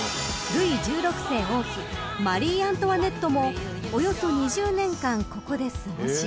［ルイ１６世王妃マリー・アントワネットもおよそ２０年間ここで過ごし］